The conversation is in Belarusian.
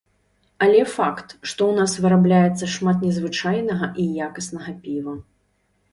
Але факт, што ў нас вырабляецца шмат незвычайнага і якаснага піва.